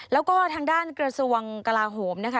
แล้วก็ทางด้านกระทรวงกลาโหมนะคะ